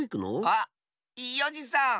あっいいおじさん！